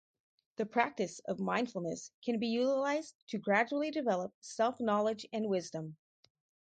The practice of mindfulness can be utilized to gradually develop self-knowledge and wisdom.